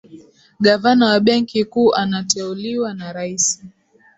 gavana wa benki kuu anateuliwa na raisi